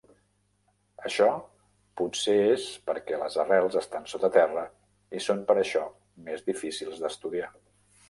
Això potser es perquè les arrels estan sota terra i són per això més difícils d'estudiar.